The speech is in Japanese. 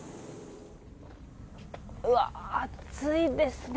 うわ、暑いですね。